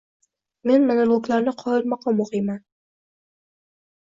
Men monologlarni qoyilmaqom oʻqiyman.